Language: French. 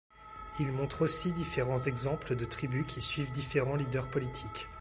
Il montre aussi différents exemples de tribus qui suivent différents leaders politiques.